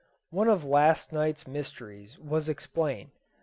One of last night's mysteries was explained.